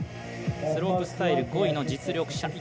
スロープスタイル５位の実力者。